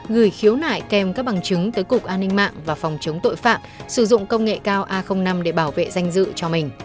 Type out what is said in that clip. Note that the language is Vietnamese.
gửi khiếu nại kèm các bằng chứng tới cục an ninh mạng và phòng chống tội phạm sử dụng công nghệ cao a năm để bảo vệ danh dự cho mình